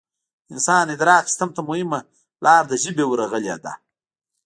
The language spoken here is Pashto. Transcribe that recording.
د انسان ادراک سیستم ته مهمه لار د ژبې ورغلې ده